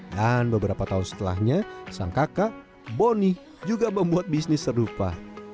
dan beberapa tahun setelahnya sang kakak bonny juga membuat bisnis serupa